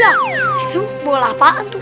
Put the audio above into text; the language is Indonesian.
yah itu bola apaan tuh